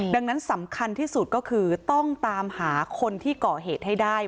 ดังนั้นสำคัญที่สุดก็คือต้องตามหาคนที่ก่อเหตุให้ได้